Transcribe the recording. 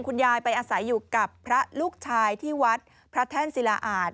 คุณยายไปอาศัยอยู่กับพระลูกชายที่วัดพระแท่นศิลาอาจ